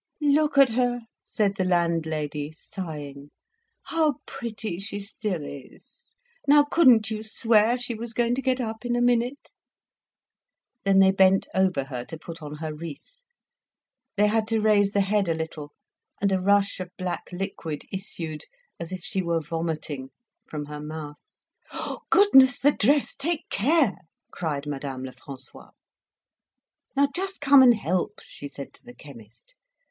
"Look at her," said the landlady, sighing; "how pretty she still is! Now, couldn't you swear she was going to get up in a minute?" Then they bent over her to put on her wreath. They had to raise the head a little, and a rush of black liquid issued, as if she were vomiting, from her mouth. "Oh, goodness! The dress; take care!" cried Madame Lefrancois. "Now, just come and help," she said to the chemist.